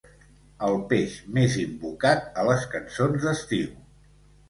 El peix més invocat a les cançons d'estiu.